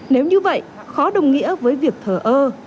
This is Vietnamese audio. nếu như vậy khó đồng nghĩa với việc thờ ơ